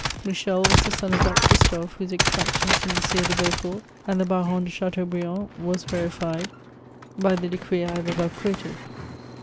Michel was the son of that Christophe, whose extraction from the Sires de Beaufort, and the Barons de Chateaubriand was verified by the decree I have above (j^uoted.